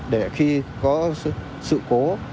để khi có sự cố